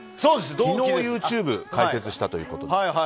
昨日、ＹｏｕＴｕｂｅを開設したということで。